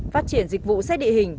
phát triển dịch vụ xe địa hình